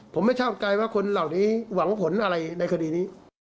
ผมไม่ชอบใจว่าคนเหล่านี้หวังผลอะไรในคดีนี้